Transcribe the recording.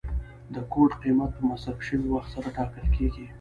د کوټ قیمت په مصرف شوي وخت سره ټاکل کیږي.